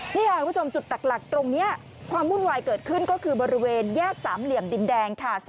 นี่ค่ะคุณผู้ชมจุดตัดหลักตรงนี้ความวุ่นวายเกิดขึ้นก็คือบริเวณแยกสามเหลี่ยมดินแดงค่ะ